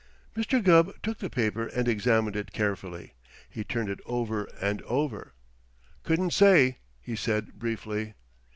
Mr. Gubb took the paper and examined it carefully. He turned it over and over. "Couldn't say," he said briefly.